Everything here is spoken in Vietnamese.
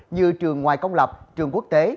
như trường ngoài công lập trường quốc tế